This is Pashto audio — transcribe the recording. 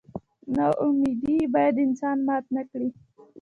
نا امیدي باید انسان مات نه کړي.